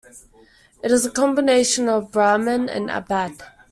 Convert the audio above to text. It is a combination of Brahman and Abad.